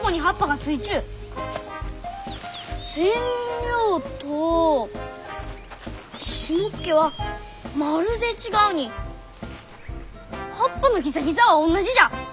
センリョウとシモツケはまるで違うに葉っぱのギザギザはおんなじじゃ！